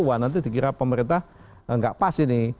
wah nanti dikira pemerintah nggak pas ini